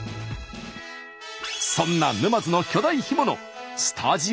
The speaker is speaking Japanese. そんな沼津の巨大干物スタジオに登場です。